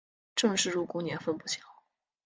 郑氏入宫年份不详。